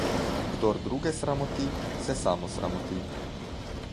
Kdor druge sramoti, se sam osramoti.